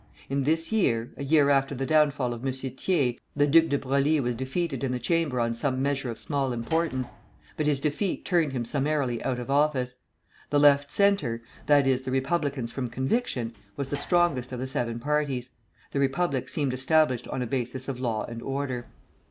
In this year a year after the downfall of M. Thiers the Duc de Broglie was defeated in the Chamber on some measure of small importance; but his defeat turned him summarily out of office. The Left Centre that is, the Republicans from conviction was the strongest of the seven parties. The Republic seemed established on a basis of law and order.